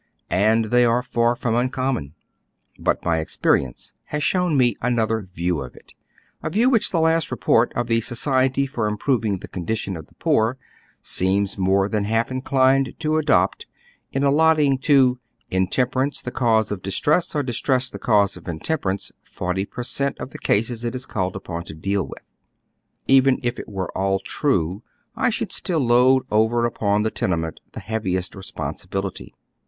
And they are far from uncommon. But my experience has shown me another view of it, a view whicli the last report of the Society for Improving the Condition of the Poor seems more than half inclined to adopt in allotting to " intemperance the cause of distress, oi' distress the cause of intemperance," forty per cent, of the cases it is called upon to deal with. Even if it were all true, I should still load over upon the tenement the heaviest re sponsibility.